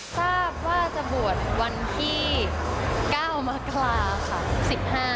ทราบว่าจะบวชวันที่๙มกราค่ะ